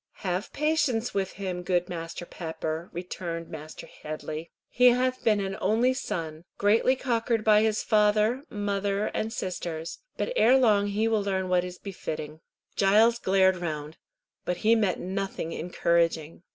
"Have patience with him, good Master Pepper," returned Mr. Headley. "He hath been an only son, greatly cockered by father, mother, and sisters, but ere long he will learn what is befiting." Giles glared round, but he met nothing encouraging.